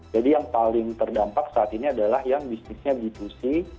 jadi yang paling terdampak saat ini adalah yang bisnis b dua c